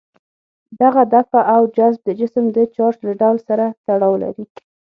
دغه دفع او جذب د جسم د چارج له ډول سره تړاو لري.